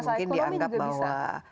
masalah ekonomi juga bisa